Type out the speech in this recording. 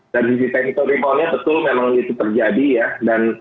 dari di technical rebound nya betul memang itu terjadi ya dan